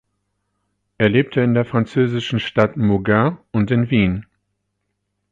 Er lebte in der französischen Stadt Mougins und in Wien.